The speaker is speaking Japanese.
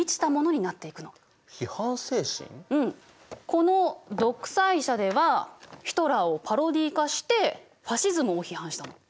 この「独裁者」ではヒトラーをパロディー化してファシズムを批判したの。